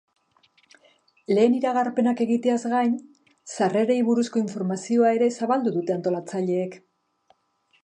Lehen iragarpenak egiteaz gain, sarrerei buruzko informazioa ere zabaldu dute antolatzaileek.